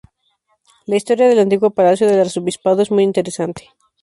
La historia del antiguo palacio del Arzobispado es muy interesante.